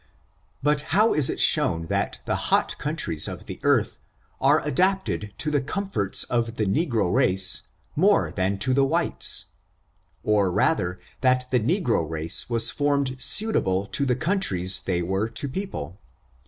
But how is it shown that the hot countries of the earth are adapted to the comforts of the negro race more than to the whites, or rather that the negro race was formed suitable to the countries they were to people?